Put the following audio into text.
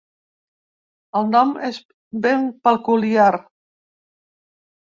El nom és ben peculiar.